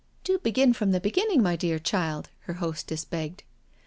" Do begin from the beginning, my dear child," her hostess begged.